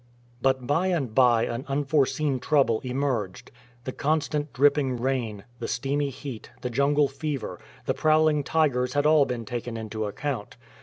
But by and by an unforeseen trouble emerged. The constant dripping rain, the steamy heat, the jungle fever, the prowling tigers had all been taken into account.